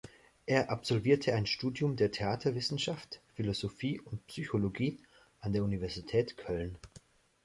Er absolvierte ein Studium der Theaterwissenschaft, Philosophie und Psychologie an der Universität Köln.